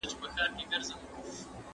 هر انسان د خدای په نزد ارزښت درلود.